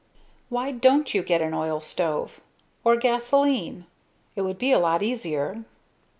"Why don't you get an oil stove? Or a gasoline? It would be a lot easier."